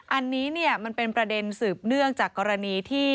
อันนี้มันเป็นประเด็นสืบเนื่องจากกรณีที่